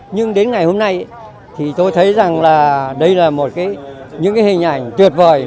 nhưng đến ngày hôm nay thì tôi thấy rằng là đây là một những hình ảnh tuyệt vời